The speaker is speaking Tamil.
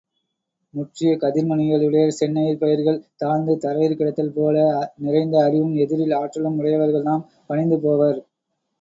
முற்றிய கதிர்மணிகளுடைய செந்நெற் பயிர்கள் தாழ்ந்து தரையிற் கிடத்தல்போல, நிறைந்த அறிவும் எதிரில் ஆற்றலும் உடையவர்கள்தாம் பணிந்துபோவர்.